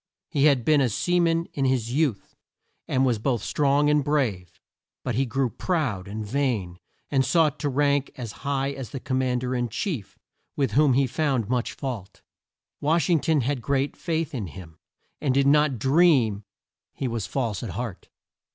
He had been a sea man in his youth, and was both strong and brave. But he grew proud and vain, and sought to rank as high as the Com mand er in chief, with whom he found much fault. Wash ing ton had great faith in him, and did not dream he was false at heart.